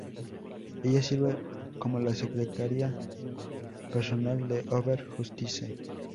Ella sirve como la secretaria personal de Over Justice.